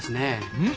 うん？